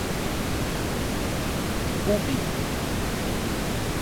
Ipubi